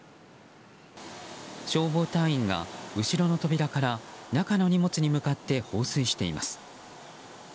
消防隊員が後ろの扉から中の荷物に向かって放水しています。